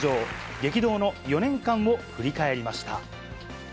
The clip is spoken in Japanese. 激動の４年間を振り返りました。